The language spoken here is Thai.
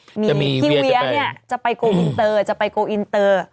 จะมีเวียจะไปพี่เวียจะไปโกอินเตอร์จะไปโกอินเตอร์